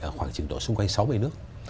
ở khoảng trường độ xung quanh sáu mươi nước